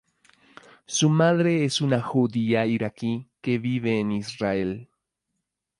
Su madre es una judía iraquí que vive en Israel.